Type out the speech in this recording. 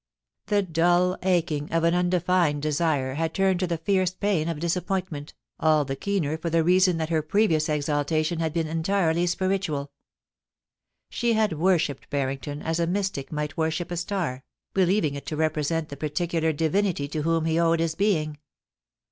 The dull aching of an undefined desire had turned to the fierce pain of disappointment, all the keener for the reason that her previous exaltation had been entirely spiritual She had worshipped Barrington as a mystic might worship a star, believing it to represent the particular divinity to whom he owed his being.